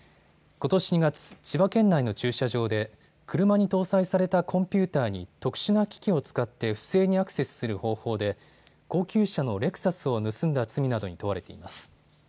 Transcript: ことし２月、千葉県内の駐車場で車に搭載されたコンピューターに特殊な機器を使って不正にアクセスする方法で高級車のレクサスを盗んだ罪などに問われています。